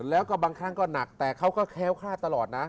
แล้วก็บางครั้งก็หนักแต่เขาก็แค้วคลาดตลอดนะ